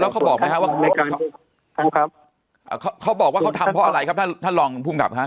แล้วเขาบอกไหมครับว่าเขาบอกว่าเขาทำเพราะอะไรครับท่านรองค์ภูมิกรับครับ